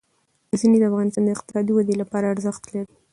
غزني د افغانستان د اقتصادي ودې لپاره ارزښت لري.